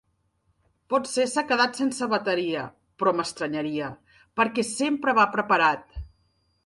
Potser s'ha quedat sense bateria, però m'estranyaria, perquè sempre va preparat.